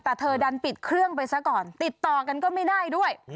แต่เธอดันปิดเครื่องไปซะก่อนติดต่อกันก็ไม่ได้ด้วย